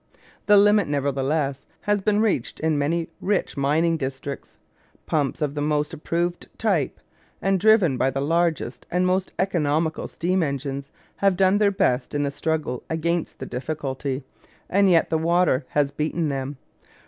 The limit, nevertheless, has been reached in many rich mining districts. Pumps of the most approved type, and driven by the largest and most economical steam engines, have done their best in the struggle against the difficulty; and yet the water has beaten them.